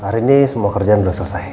hari ini semua kerjaan sudah selesai